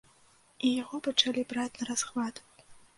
І яго пачалі браць нарасхват.